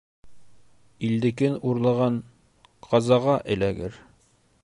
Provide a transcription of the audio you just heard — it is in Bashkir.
Илдекен урлаған ҡазаға эләгер